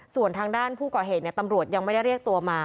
ส่วนทางด้านผู้ก่อเหตุตำรวจยังไม่ได้เรียกตัวมา